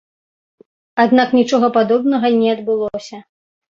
Аднак нічога падобнага не адбылося.